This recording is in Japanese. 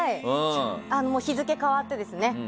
日付変わってですね。